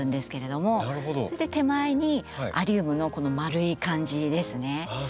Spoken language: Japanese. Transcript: そして手前にアリウムのこのまるい感じですね。